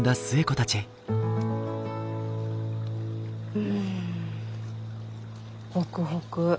うんホクホク。